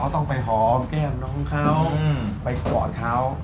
เราก็ต้องไปหอมเก้มน้องเขาไปกวดเขา